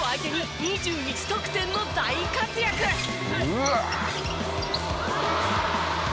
「うわっ！」